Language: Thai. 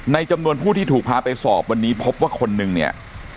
จำนวนผู้ที่ถูกพาไปสอบวันนี้พบว่าคนนึงเนี่ย